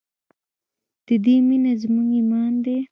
د دې مینه زموږ ایمان دی؟